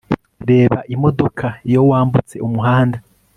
Reba imodoka iyo wambutse umuhanda